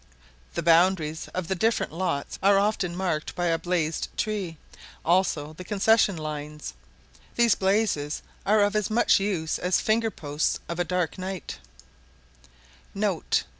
The boundaries of the different lots are often marked by a blazed tree, also the concession lines*. These blazes are of as much use as finger posts of a dark night.